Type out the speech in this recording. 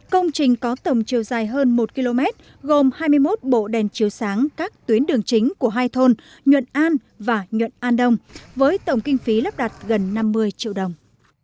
công trình có tổng chiều dài hơn một km gồm hai mươi một bộ đèn chiếu sáng các tuyến đường chính của hai thôn nhuận an và nhuận an đông với tổng kinh phí lắp đặt gần năm mươi triệu đồng